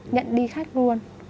nhận đi khách luôn